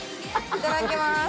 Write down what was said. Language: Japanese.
いただきます。